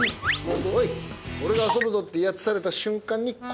俺が遊ぶぞって威圧された瞬間に。